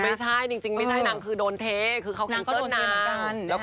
ไม่ใช่จริงนางก็ไม่ใช่นางนางคือโดนเทคก็เขากำเติ้ลนาง